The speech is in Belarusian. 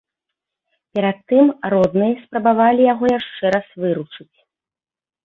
Перад тым родныя спрабавалі яго яшчэ раз выручыць.